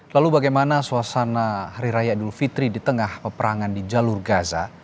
lalu bagaimana suasana hari raya idul fitri di tengah peperangan di jalur gaza